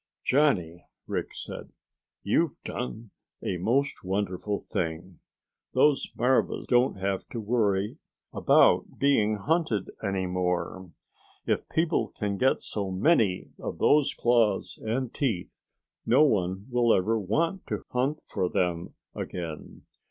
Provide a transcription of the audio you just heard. "Johnny," Rick said, "you've done a most wonderful thing! Those marva don't have to worry about being hunted any more. If people can get so many of those claws and teeth, no one will ever want to hunt for them again.